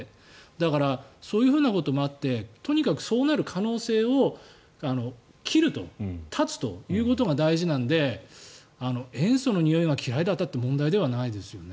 だから、そういうこともあってとにかくそうなる可能性を切ると断つということが大事なので塩素のにおいが嫌いだったって問題ではないですよね。